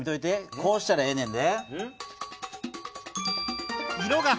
こうしたらええねんで。